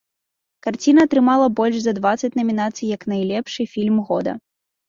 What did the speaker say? Карціна атрымала больш за дваццаць намінацый як найлепшы фільм года.